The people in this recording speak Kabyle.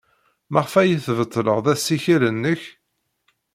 Maɣef ay tbeṭled assikel-nnek?